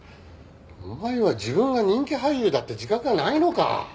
お前は自分が人気俳優だって自覚がないのか？